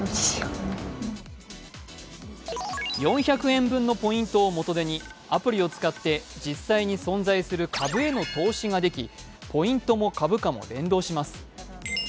４００円分のポイントを元手にアプリを使って実際に存在する株への投資ができポイントも株価も連動します。